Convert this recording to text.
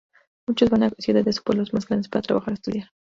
Muchos van a ciudades o pueblos más grandes para trabajar o estudiar.